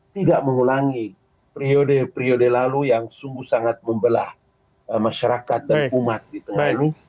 tidak mengulangi periode periode lalu yang sungguh sangat membelah masyarakat dan umat di tengah ini